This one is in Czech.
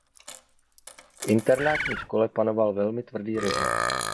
V internátní škole panoval velmi tvrdý režim.